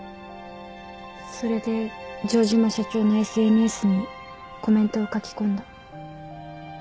それで城島社長のＳＮＳにコメントを書き込んだ。